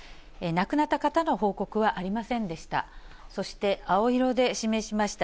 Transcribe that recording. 亡くなった方の報告はありませんでした。